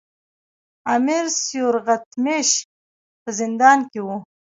امیر سیورغتمیش په زندان کې وو.